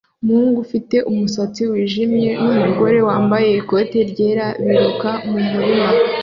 Umuhungu ufite umusatsi wijimye numugore wambaye ikoti ryera biruka mumurima